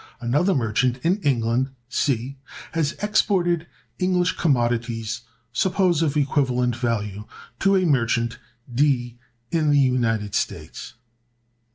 Another merchant in England, C, has exported English commodities, suppose of equivalent value, to a merchant, D, in the United States.